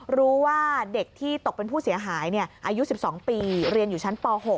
รู้ว่าเด็กที่ตกเป็นผู้เสียหายอายุ๑๒ปีเรียนอยู่ชั้นป๖